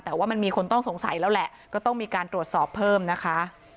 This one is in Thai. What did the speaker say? แต่ว่ามันมีคนต้องสงสัยแล้วแหละก็ต้องมีการตรวจสอบเพิ่มนะคะ